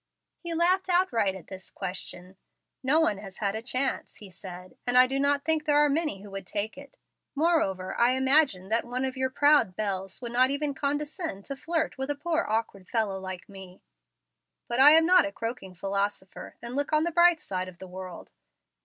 He laughed outright at this question. "No one has had a chance," he said; "and I do not think there are many who would take it. Moreover, I imagine that one of your proud belles would not even condescend to flirt with a poor awkward fellow like me. But I am not a croaking philosopher, and look on the bright side of the world.